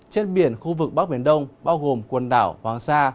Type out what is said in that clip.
trên biển khu vực bắc biển đông bao gồm quần đảo hoàng sa